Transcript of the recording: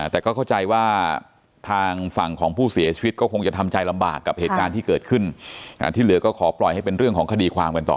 แต่ก็เข้าใจว่าทางฝั่งของผู้เสียชีวิตก็คงจะทำใจลำบากกับเหตุการณ์ที่เกิดขึ้นที่เหลือก็ขอปล่อยให้เป็นเรื่องของคดีความกันต่อ